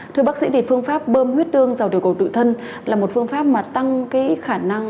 thưa bác sĩ phương pháp bơm huyết tương dầu tiểu cầu tự thân là một phương pháp mà tăng khả năng